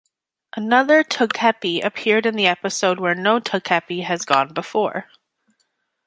Another Togepi appeared in the episode "Where No Togepi Has Gone Before".